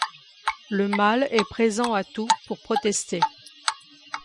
Le mal est présent à tout pour protester.